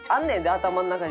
頭の中に。